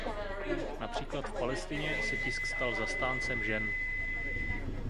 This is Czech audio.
Například v Palestině se tisk stal zastáncem žen.